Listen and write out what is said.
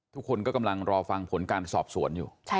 ทุกคนก็กำลังรอฟังผลการสอบสวนอยู่